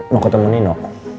mau ketemu nino